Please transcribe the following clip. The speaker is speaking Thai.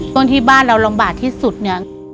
ตอนที่บ้านเราลำบากที่สุดเนี่ย